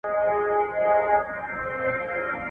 د مالدارۍ ژوند له کروندګرۍ سره توپیر لري.